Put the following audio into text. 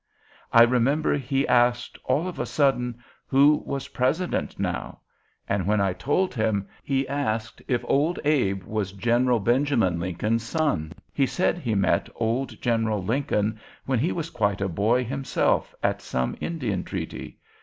"I remember he asked, all of a sudden, who was President now; and when I told him, he asked if Old Abe was General Benjamin Lincoln's son. He said he met old General Lincoln, when he was quite a boy himself, at some Indian treaty.